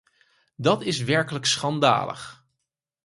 Dat is werkelijk schandalig.